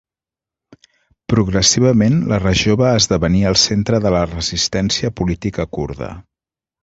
Progressivament la regió va esdevenir el centre de la resistència política kurda.